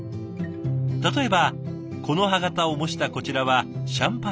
例えば木の葉形を模したこちらはシャンパンクーラー。